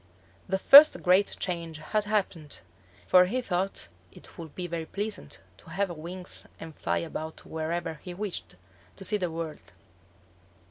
The first great change had happened. He was delighted, for he thought it would be very pleasant to have wings and fly about wherever he wished, to see the world.